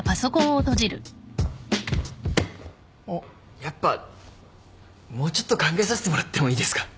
やっぱもうちょっと考えさせてもらってもいいですか？